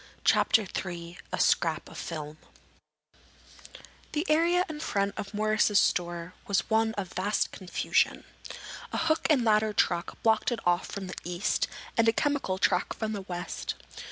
CHAPTER III A SCRAP OF FILM The area in front of Morris's store was one of vast confusion. A hook and ladder truck blocked it off from the east and a chemical truck from the west.